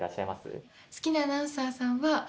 好きなアナウンサーさんは。